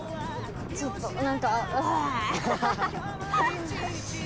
ちょっと何か。